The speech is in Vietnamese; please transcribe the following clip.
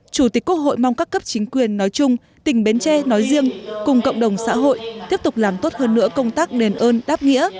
chủ tịch quốc hội mong các cấp chính quyền nói chung tỉnh bến tre nói riêng cùng cộng đồng xã hội tiếp tục làm tốt hơn nữa công tác đền ơn đáp nghĩa